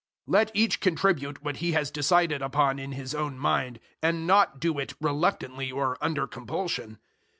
009:007 Let each contribute what he has decided upon in his own mind, and not do it reluctantly or under compulsion.